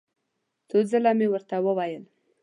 څو ځل مې ورته وویل.